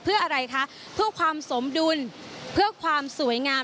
เพื่ออะไรคะเพื่อความสมดุลเพื่อความสวยงาม